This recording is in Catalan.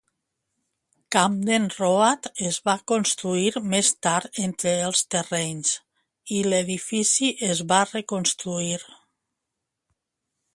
Camden Road es va construir més tard entre els terrenys i l'edifici es va reconstruir.